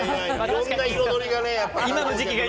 いろんな彩りがね。